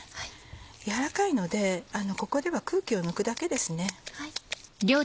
やわらかいのでここでは空気を抜くだけですね。